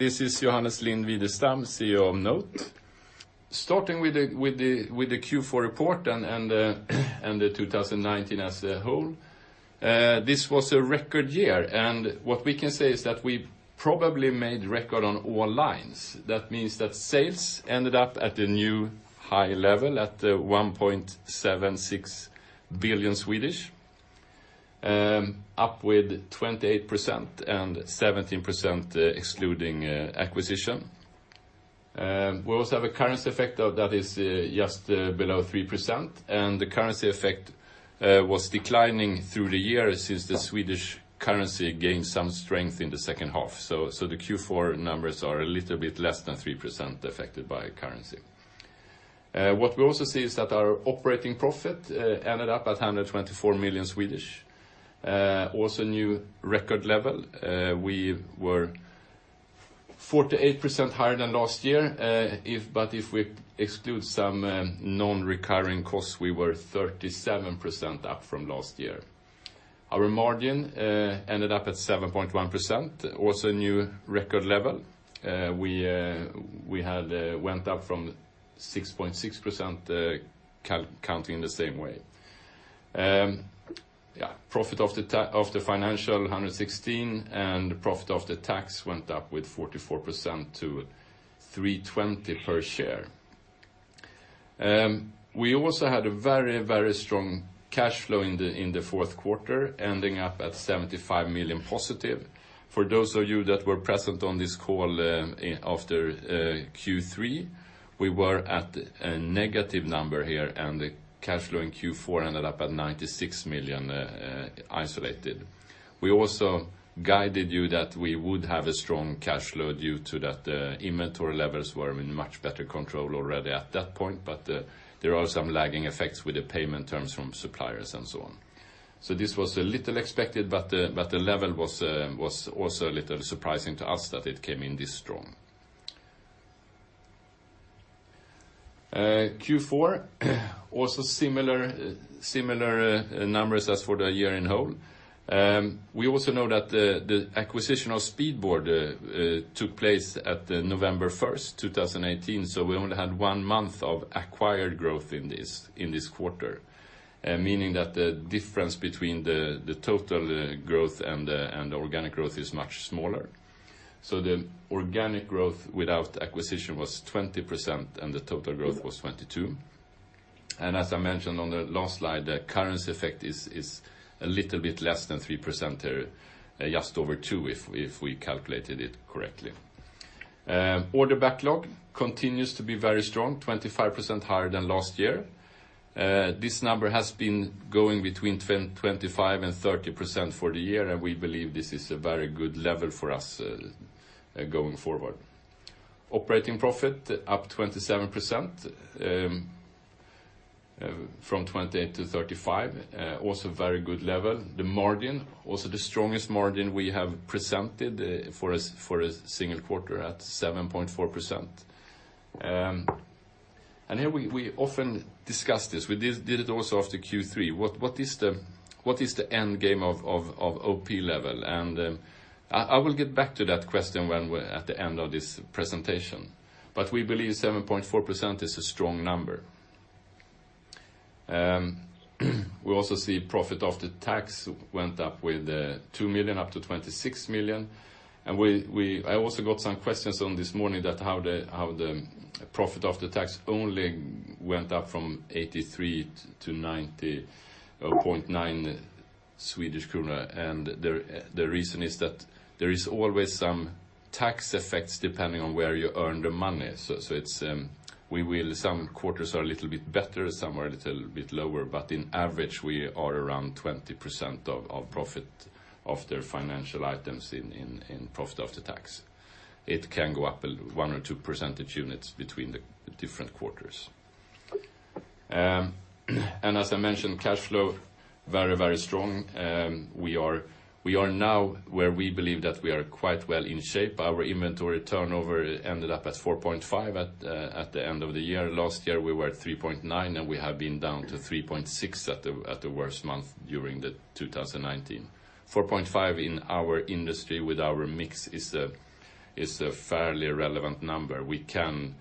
This is Johannes Lind-Widestam, CEO of NOTE. Starting with the Q4 report and the 2019 as a whole. This was a record year. What we can say is that we probably made a record on all lines. That means that sales ended up at a new high level at 1.76 billion, up with 28% and 17% excluding acquisition. We also have a currency effect, that is just below 3%. The currency effect was declining through the year since the Swedish currency gained some strength in the second half. The Q4 numbers are a little bit less than 3% affected by currency. What we also see is that our operating profit ended up at 124 million, also a new record level. We were 48% higher than last year. If we exclude some non-recurring costs, we were 37% up from last year. Our margin ended up at 7.1%, also a new record level. We had went up from 6.6% counting the same way. Profit of the financial, 116, and the profit of the tax went up with 44% to 320 per share. We also had a very strong cash flow in the fourth quarter, ending up at 75 million positive. For those of you that were present on this call after Q3, we were at a negative number here, and the cash flow in Q4 ended up at 96 million isolated. We also guided you that we would have a strong cash flow due to that inventory levels were in much better control already at that point, but there are some lagging effects with the payment terms from suppliers and so on. This was a little expected, the level was also a little surprising to us that it came in this strong. Q4, also similar numbers as for the year in whole. We also know that the acquisition of Speedboard took place at November 1st, 2018, we only had one month of acquired growth in this quarter, meaning that the difference between the total growth and organic growth is much smaller. The organic growth without acquisition was 20%, the total growth was 22%. As I mentioned on the last slide, the currency effect is a little bit less than 3% there, just over two if we calculated it correctly. Order backlog continues to be very strong, 25% higher than last year. This number has been going between 25% and 30% for the year, we believe this is a very good level for us going forward. Operating profit up 27%, from 28% to 35%, also a very good level. The margin, also the strongest margin we have presented for a single quarter at 7.4%. Here we often discuss this. We did it also after Q3. What is the end game of OP level? I will get back to that question at the end of this presentation. We believe 7.4% is a strong number. We also see profit after tax went up with 2 million, up to 26 million. I also got some questions on this morning about how the profit of the tax only went up from 83 to 90.9 Swedish kronor, and the reason is that there is always some tax effects depending on where you earn the money. Some quarters are a little bit better, some are a little bit lower, but on average, we are around 20% of profit after financial items in profit after tax. It can go up one or two percentage units between the different quarters. As I mentioned, cash flow, very, very strong. We are now where we believe that we are quite well in shape. Our inventory turnover ended up at 4.5 at the end of the year. Last year, we were at 3.9, and we have been down to 3.6 at the worst month during 2019. 4.5 in our industry with our mix is a fairly relevant number. We can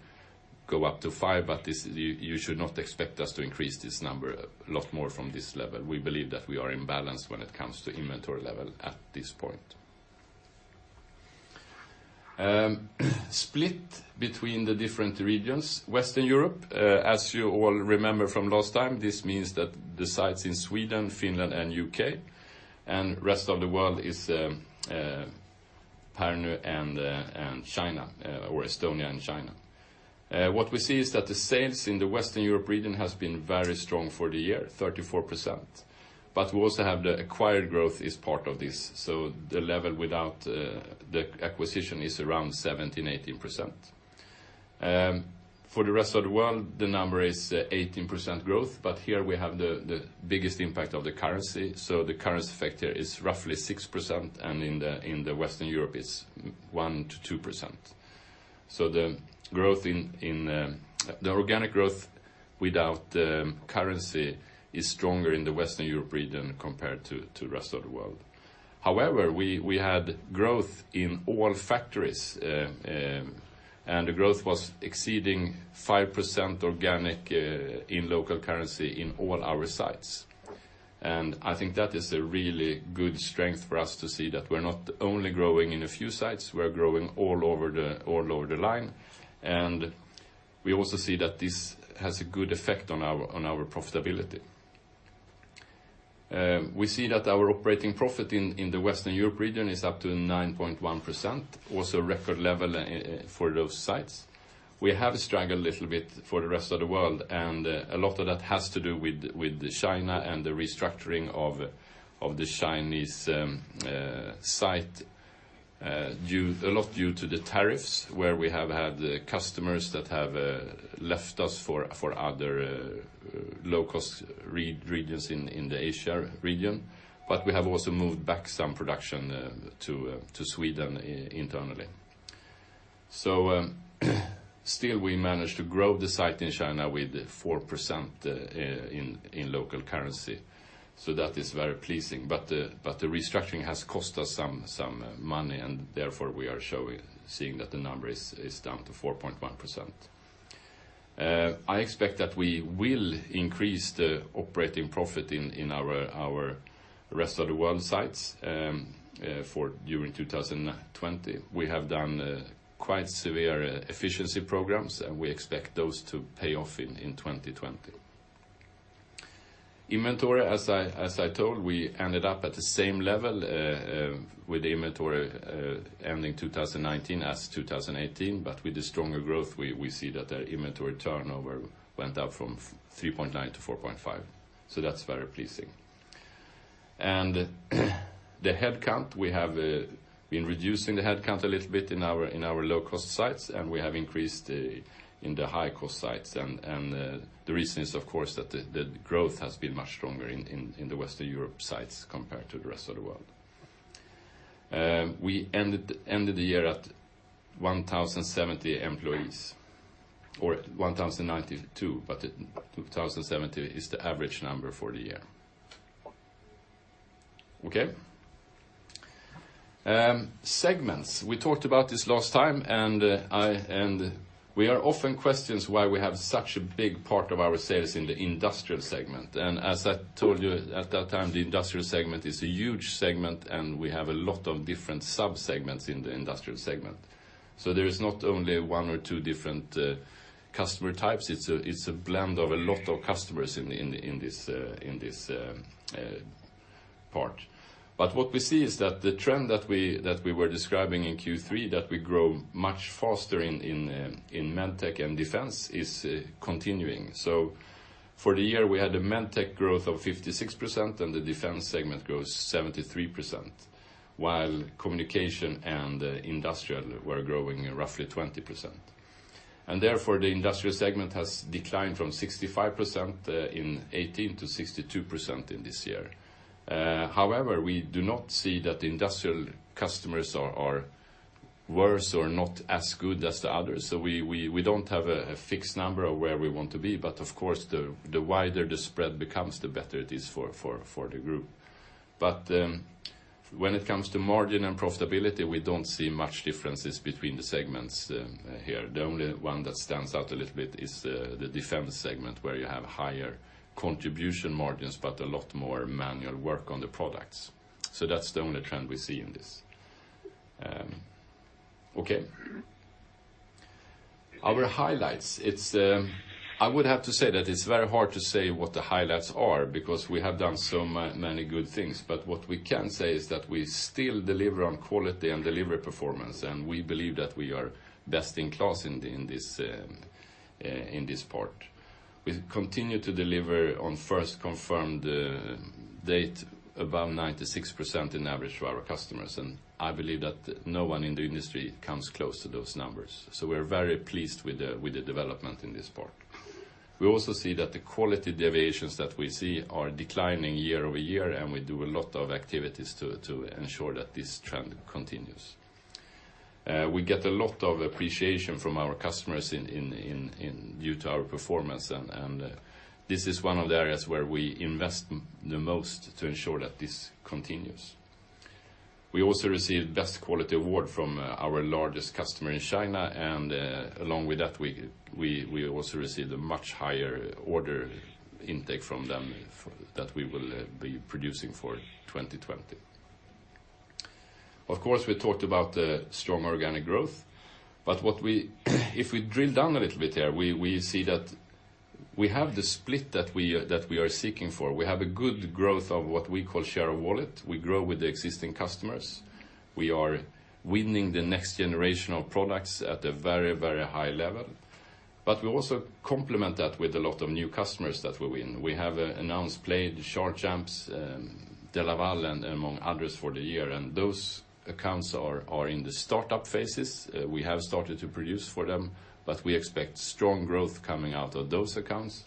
go up to five, but you should not expect us to increase this number a lot more from this level. We believe that we are in balance when it comes to inventory level at this point. Split between the different regions. Western Europe, as you all remember from last time, this means the sites in Sweden, Finland, and U.K. and rest of the world is Pärnu and China, or Estonia and China. What we see is that the sales in the Western Europe region has been very strong for the year, 34%. We also have the acquired growth as part of this, so the level without the acquisition is around 17%, 18%. For the rest of the world, the number is 18% growth, but here we have the biggest impact of the currency, so the currency factor is roughly 6%, and in the Western Europe it's 1% - 2%. The organic growth without currency is stronger in the Western Europe region compared to rest of the world. However, we had growth in all factories, and the growth was exceeding 5% organic in local currency in all our sites. I think that is a really good strength for us to see that we're not only growing in a few sites, but we are also growing all over the line. We also see that this has a good effect on our profitability. We see that our operating profit in the Western Europe region is up to 9.1%, also a record level for those sites. We have struggled a little bit for the rest of the world, and a lot of that has to do with China and the restructuring of the Chinese site. A lot due to the tariffs, where we have had the customers that have left us for other low-cost regions in the Asia region. We have also moved back some production to Sweden internally. Still we managed to grow the site in China with 4% in local currency. That is very pleasing. The restructuring has cost us some money, and therefore we are seeing that the number is down to 4.1%. I expect that we will increase the operating profit in our rest of the world sites during 2020. We have done quite severe efficiency programs, and we expect those to pay off in 2020. Inventory, as I told, we ended up at the same level with inventory ending 2019 as 2018. With the stronger growth, we see that the inventory turnover went up from 3.9 - 4.5. That's very pleasing. The headcount, we have been reducing the headcount a little bit in our low-cost sites, and we have increased in the high-cost sites. The reason is of course, that the growth has been much stronger in the Western Europe sites compared to the rest of the world. We ended the year at 1,070 employees, or 1,092, but 1,070 is the average number for the year. Okay. Segments. We talked about this last time, and we are often questions why we have such a big part of our sales in the industrial segment. As I told you at that time, the industrial segment is a huge segment, and we have a lot of different sub-segments in the industrial segment. There is not only one or two different customer types. It's a blend of a lot of customers in this part. What we see is that the trend that we were describing in Q3, that we grow much faster in MedTech and Defense, is continuing. For the year, we had a MedTech growth of 56%, and the Defense segment grows 73%, while Communication and Industrial were growing roughly 20%. Therefore, the Industrial segment has declined from 65% in 2018 to 62% in this year. However, we do not see that the Industrial customers are worse or not as good as the others. We don't have a fixed number of where we want to be. Of course, the wider the spread becomes, the better it is for the group. When it comes to margin and profitability, we don't see much differences between the segments here. The only one that stands out a little bit is the Defense segment, where you have higher contribution margins, but a lot more manual work on the products. That's the only trend we see in this. Okay. Our highlights, I would have to say that it's very hard to say what the highlights are, because we have done so many good things. What we can say is that we still deliver on quality and deliver performance, and we believe that we are best in class in this part. We continue to deliver on first confirmed date above 96% in average to our customers, and I believe that no one in the industry comes close to those numbers. We're very pleased with the development in this part. We also see that the quality deviations that we see are declining year-over-year, and we do a lot of activities to ensure that this trend continues. We get a lot of appreciation from our customers due to our performance; this is one of the areas where we invest the most to ensure that this continues. We also received Best Quality Award from our largest customer in China, and along with that, we also received a much higher order intake from them that we will be producing for 2020. Of course, we talked about strong organic growth, but if we drill down a little bit there, we see that we have the split that we are seeking for. We have a good growth of what we call share of wallet. We grow with the existing customers. We are winning the next generation of products at a very high level. We also complement that with a lot of new customers that we win. We have announced Plejd, DeLaval, and among others for the year, and those accounts are in the startup phases. We have started to produce for them, but we expect strong growth coming out of those accounts.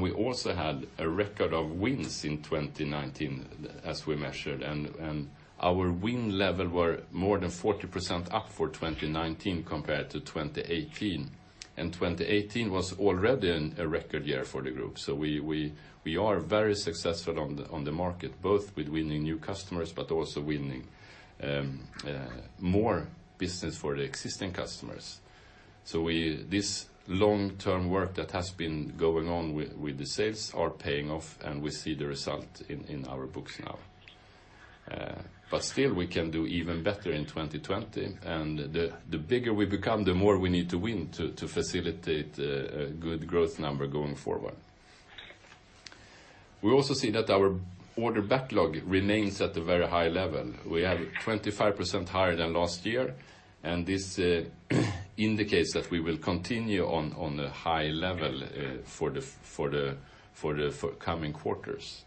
We also had a record of wins in 2019 as we measured, and our win level were more than 40% up for 2019 compared to 2018. 2018 was already a record year for the group. We are very successful on the market, both with winning new customers, but also winning more business for the existing customers. This long-term work that has been going on with the sales are paying off, and we see the result in our books now. Still, we can do even better in 2020, and the bigger we become, the more we need to win to facilitate a good growth number going forward. We also see that our order backlog remains at a very high level. We are 25% higher than last year, and this indicates that we will continue on a high level for the coming quarters.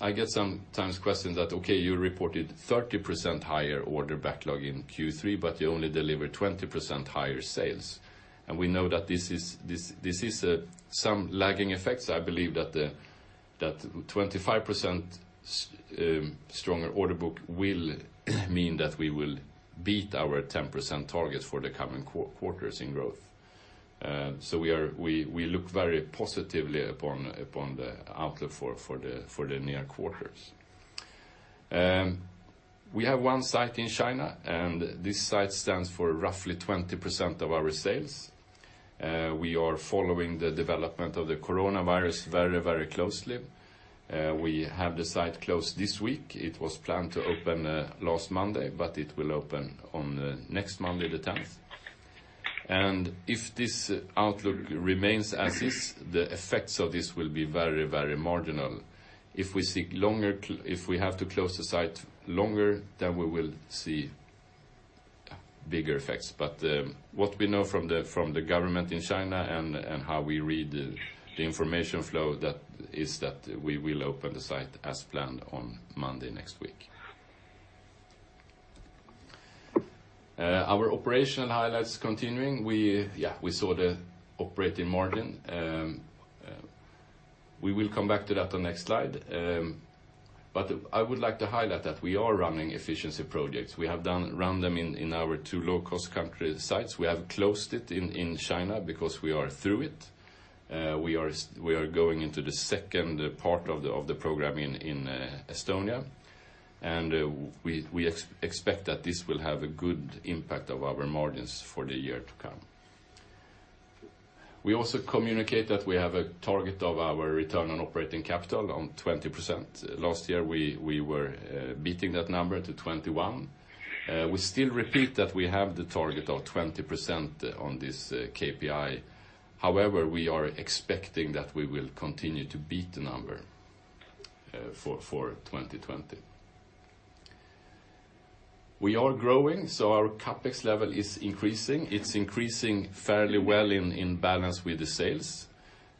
I get sometimes questions that, okay, you reported 30% higher order backlog in Q3, but you only delivered 20% higher sales. We know that this is some lagging effects. I believe that 25% stronger order book will mean that we will beat our 10% target for the coming quarters in growth. We look very positively upon the outlook for the near quarters. We have one site in China, and this site stands for roughly 20% of our sales. We are following the development of the coronavirus very closely. We have the site closed this week. It was planned to open last Monday, but it will open on next Monday the 10th. If this outlook remains as is, the effects of this will be very marginal. If we have to close the site longer, we will see bigger effects. What we know from the government in China and how we read the information flow is that we will open the site as planned on Monday next week. Our operational highlights continuing. We saw the operating margin. We will come back to that on next slide. I would like to highlight that we are running efficiency projects. We have run them in our two low-cost country sites. We have closed it in China because we are through it. We are going into the second part of the program in Estonia, and we expect that this will have a good impact of our margins for the year to come. We also communicate that we have a target of our return on operating capital on 20%. Last year, we were beating that number to 21. We still repeat that we have the target of 20% on this KPI. We are expecting that we will continue to beat the number for 2020. We are growing, our CapEx level is increasing. It's increasing fairly well in balance with the sales.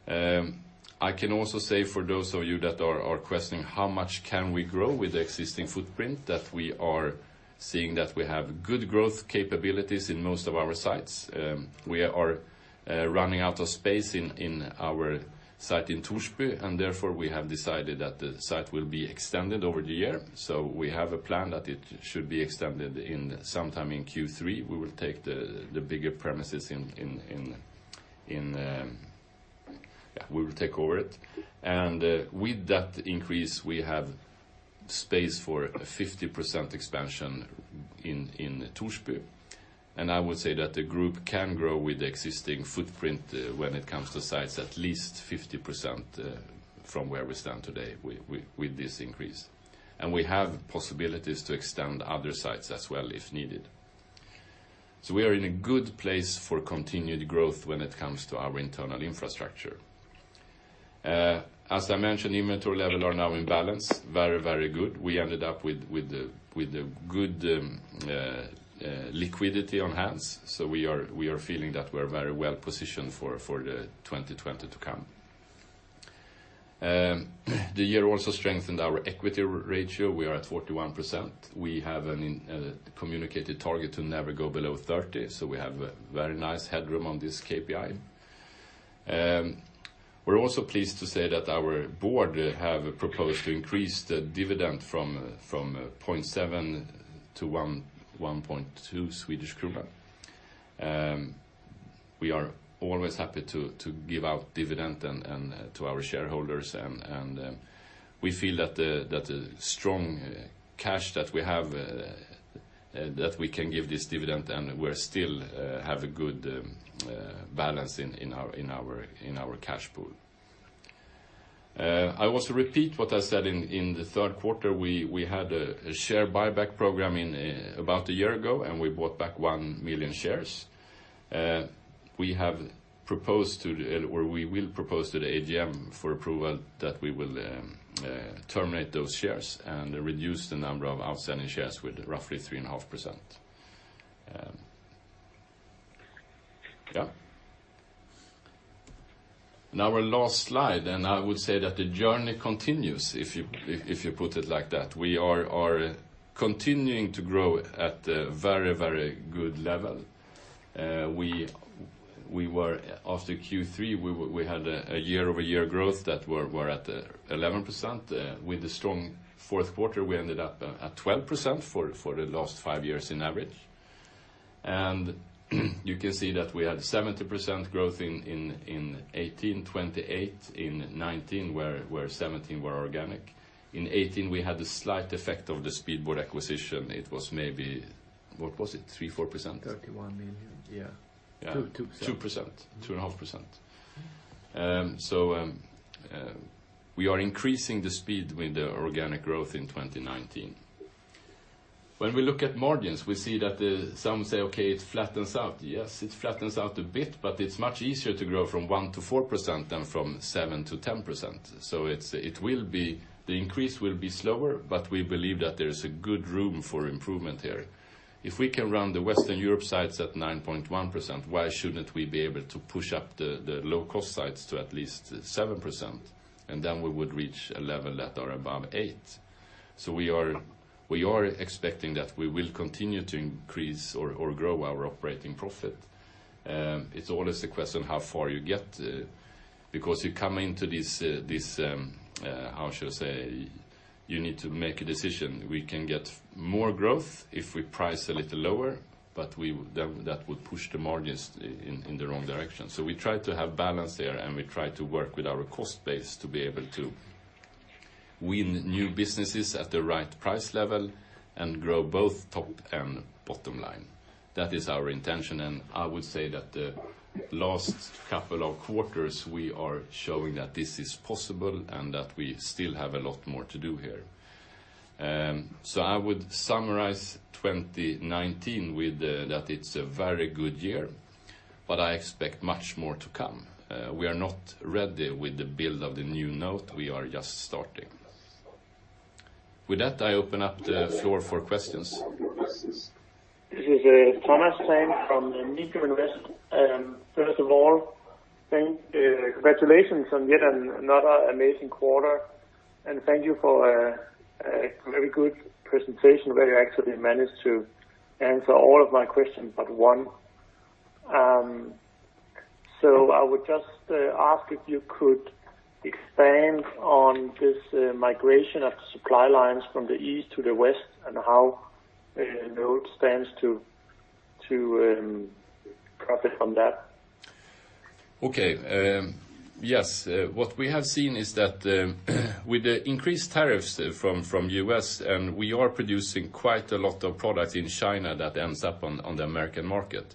I can also say for those of you that are questioning how much we can grow with the existing footprint, that we are seeing that we have good growth capabilities in most of our sites. We are running out of space in our site in Torsby, therefore, we have decided that the site will be extended over the year. We have a plan that it should be extended sometime in Q3. We will take the bigger premises, we will take over it. With that increase, we have space for a 50% expansion in Torsby. I would say that the group can grow with the existing footprint when it comes to sites, at least 50% from where we stand today with this increase. We have possibilities to extend other sites as well if needed. We are in a good place for continued growth when it comes to our internal infrastructure. As I mentioned, inventory level are now in balance, very good. We ended up with a good liquidity on hands, we are feeling that we are very well positioned for the 2020 to come. The year also strengthened our equity ratio. We are at 41%. We have a communicated target to never go below 30, we have a very nice headroom on this KPI. We're also pleased to say that our board have proposed to increase the dividend from 0.7 to 1.2 Swedish krona. We are always happy to give out dividend to our shareholders, and we feel that the strong cash that we have, that we can give this dividend, and we still have a good balance in our cash pool. I also repeat what I said in the third quarter. We had a share buyback program about a year ago, and we bought back one million shares. We will propose to the AGM for approval that we will terminate those shares and reduce the number of outstanding shares with roughly 3.5%. Yeah. Now our last slide, and I would say that the journey continues, if you put it like that. We are continuing to grow at a very, very good level. After Q3, we had a year-over-year growth that were at 11%. With a strong fourth quarter, we ended up at 12% for the last five years on average. You can see that we had 70% growth in 2018, 28% in 2019, where 17% were organic. In 2018, we had a slight effect of the Speedboard acquisition. It was maybe, what was it, 3%, 4%? 31 million, yeah. 2%. 2.5%. We are increasing the speed with the organic growth in 2019. When we look at margins, we see that some say, okay, it flattens out. Yes, it flattens out a bit, but it's much easier to grow from 1%-4% than from 7%-10%. The increase will be slower, but we believe that there is a good room for improvement here. If we can run the Western Europe sites at 9.1%, why shouldn't we be able to push up the low-cost sites to at least 7%? Then we would reach a level at or above 8%. We are expecting that we will continue to increase or grow our operating profit. It's always a question how far you get, because you come into this, how should I say, you need to make a decision. We can get more growth if we price a little lower, but that would push the margins in the wrong direction. We try to have balance there, and we try to work with our cost base to be able to win new businesses at the right price level and grow both top and bottom line. That is our intention, and I would say that the last couple of quarters, we are showing that this is possible and that we still have a lot more to do here. I would summarize 2019 with that it's a very good year, but I expect much more to come. We are not ready with the build of the new NOTE, we are just starting. I open up the floor for questions. This is Thomas Sändh from Nigrum Invest. First of all, congratulations on yet another amazing quarter, and thank you for a very good presentation where you actually managed to answer all of my questions but one. I would just ask if you could expand on this migration of supply lines from the East to the West and how NOTE stands to profit from that? Okay. Yes. What we have seen is that with the increased tariffs from U.S. and we are producing quite a lot of products in China that ends up on the American market.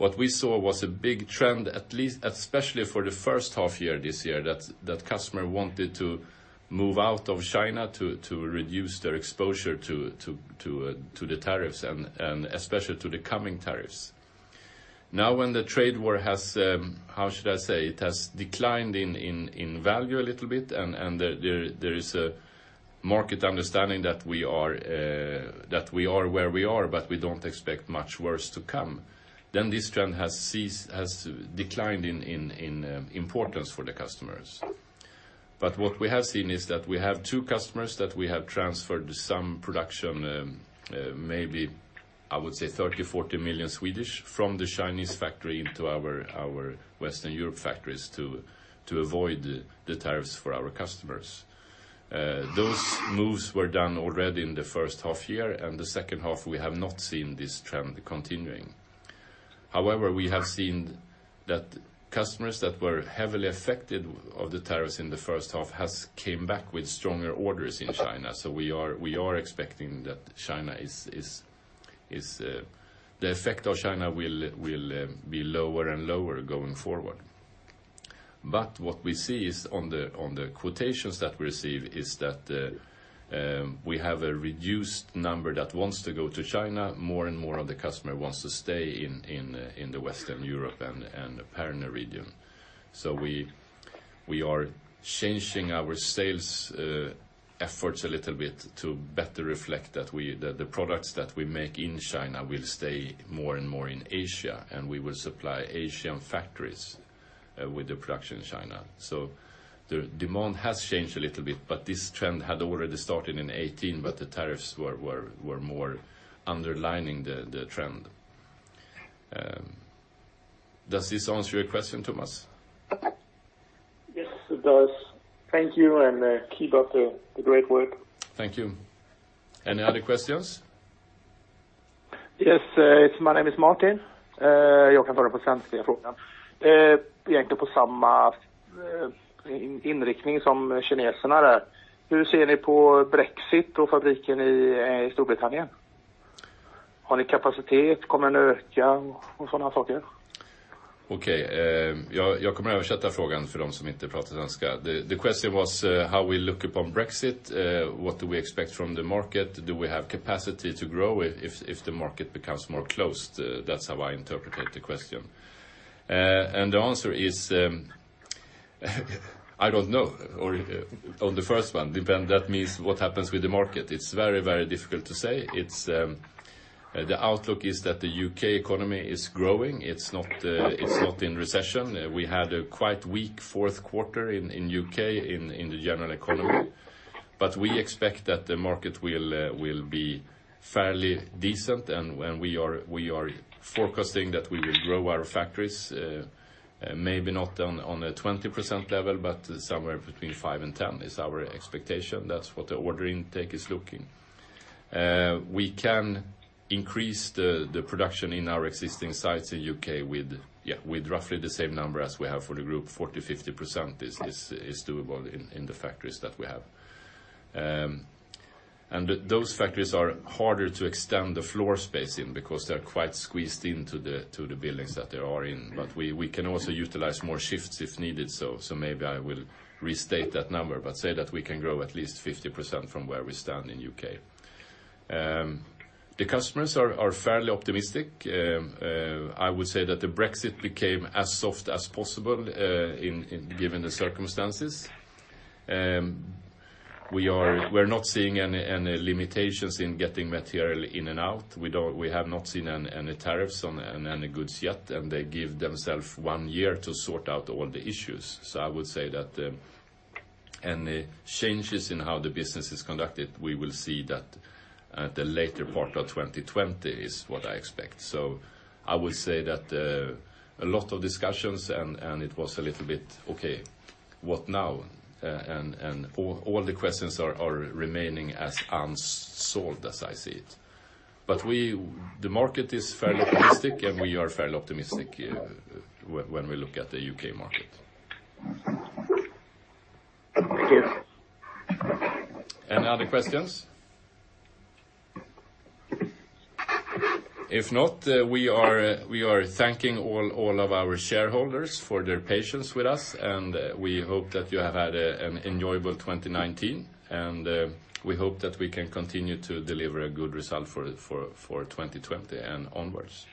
What we saw was a big trend, especially for the first half year this year, that customer wanted to move out of China to reduce their exposure to the tariffs and especially to the coming tariffs. Now, when the trade war has, how should I say, it has declined in value a little bit, and there is a market understanding that we are where we are, but we don't expect much worse to come, then this trend has declined in importance for the customers. What we have seen is that we have two customers that we have transferred some production, maybe I would say 30 million-40 million, from the Chinese factory into our Western Europe factories to avoid the tariffs for our customers. Those moves were done already in the first half year, and the second half, we have not seen this trend continuing. However, we have seen that customers that were heavily affected of the tariffs in the first half has come back with stronger orders in China. We are expecting that the effect of China will be lower and lower going forward. What we see on the quotations that we receive is that we have a reduced number that wants to go to China. More and more of the customer wants to stay in the Western Europe and the Pärnu region. We are changing our sales efforts a little bit to better reflect that the products that we make in China will stay more and more in Asia, and we will supply Asian factories with the production in China. The demand has changed a little bit, but this trend had already started in 2018, but the tariffs were more underlining the trend. Does this answer your question, Thomas? Yes, it does. Thank you and keep up the great work. Thank you. Any other questions? Yes. My name is Martin. I can ask the question in Swedish. Actually, in the same direction as the Chinese are. How do you see Brexit and the factory in Great Britain? Do you have capacity? Will it increase? Things like that. Okay. I will translate the question for those who do not speak Swedish. The question was how we look upon Brexit. What do we expect from the market? Do we have capacity to grow if the market becomes more closed? That's how I interpret the question. The answer is, I don't know. On the first one, depend on that means what happens with the market. It's very difficult to say. The outlook is that the U.K. economy is growing. It's not in recession. We had a quite weak fourth quarter in U.K. in the general economy, but we expect that the market will be fairly decent, and we are forecasting that we will grow our factories maybe not on a 20% level, but somewhere between 5% and 10% is our expectation. That's what the order intake is looking. We can increase the production in our existing sites in U.K. with roughly the same number as we have for the group, 40%-50% is doable in the factories that we have. Those factories are harder to extend the floor space in because they're quite squeezed into the buildings that they are in. We can also utilize more shifts if needed. Maybe I will restate that number, but say that we can grow at least 50% from where we stand in U.K. The customers are fairly optimistic. I would say that the Brexit became as soft as possible given the circumstances. We're not seeing any limitations in getting material in and out. We have not seen any tariffs on any goods yet, and they give themselves one year to sort out all the issues. I would say that any changes in how the business is conducted, we will see that at the later part of 2020 is what I expect. I will say that a lot of discussions, and it was a little bit, okay, what now? All the questions are remaining as unsolved as I see it. The market is fairly optimistic, and we are fairly optimistic when we look at the U.K. market. Thank you. Any other questions? If not, we are thanking all of our shareholders for their patience with us, and we hope that you have had an enjoyable 2019, and we hope that we can continue to deliver a good result for 2020 and onwards.